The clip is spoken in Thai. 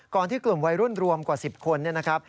ที่กลุ่มวัยรุ่นรวมกว่า๑๐คนเนี่ยนะครับ